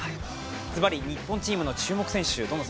ずばり日本選手の注目選手は？